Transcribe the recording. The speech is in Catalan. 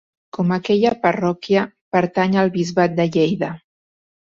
Com aquella parròquia, pertany al bisbat de Lleida.